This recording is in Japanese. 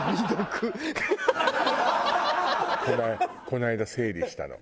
この間整理したの。